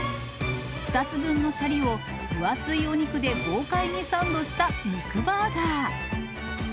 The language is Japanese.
２つ分のしゃりを、分厚いお肉で豪快にサンドした肉バーガー。